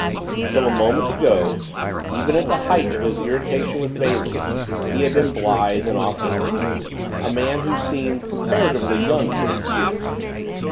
Till a moment ago, even at the height of his irritation with Bailey, he had been blithe and offhand a man who seemed comparatively young for his years.